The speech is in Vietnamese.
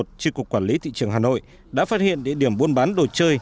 chi cục quản lý thị trường hà nội đã phát hiện địa điểm buôn bán đồ chơi